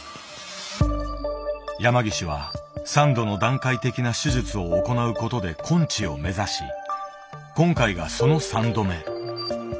山岸は３度の段階的な手術を行うことで根治を目指し今回がその３度目。